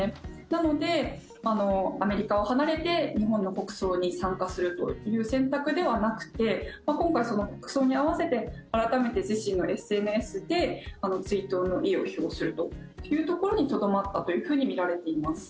なので、アメリカを離れて日本の国葬に参加するという選択ではなくて今回、国葬に併せて改めて自身のＳＮＳで追悼の意を表するというところにとどまったとみられています。